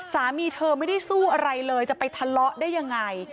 สามีเธอไม่ได้สู้อะไรเลยจะไปทะเลาะได้ยังไง